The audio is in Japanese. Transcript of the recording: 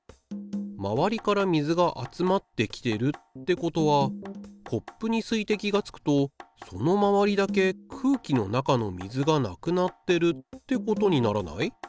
まわりから水が集まってきてるってことはコップに水滴がつくとそのまわりだけ空気の中の水がなくなってるってことにならない？